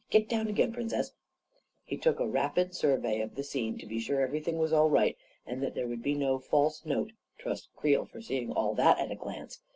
Get down again, Princess !" He took a rapid survey of the scene to be sure everything was all right and that there would be no false note — trust Creel for seeing all that at a glance